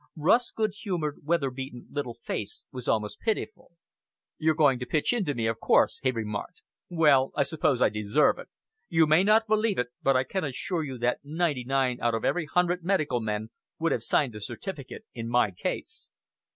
Rust's good humored, weather beaten, little face was almost pitiful. "You're going to pitch into me, of course," he remarked. "Well, I suppose I deserve it. You may not believe it, but I can assure you that ninety nine out of every hundred medical men would have signed the certificate in my case."